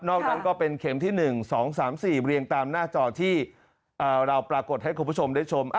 นั้นก็เป็นเข็มที่๑๒๓๔เรียงตามหน้าจอที่เราปรากฏให้คุณผู้ชมได้ชม